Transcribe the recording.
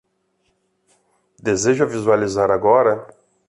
Deseja visualizar agora?